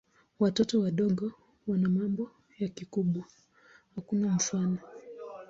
Watoto wadogo wana mambo ya kikubwa hakuna mfano.